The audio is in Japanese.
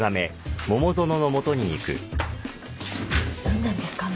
何なんですか？